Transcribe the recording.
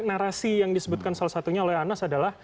narasi yang disebutkan salah satunya oleh anas adalah